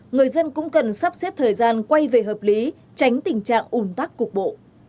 người dân cũng cần sắp xếp thời gian quay về hợp lý tránh tình trạng ủn tắc cục bộ